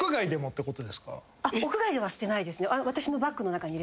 屋外では捨てないですね。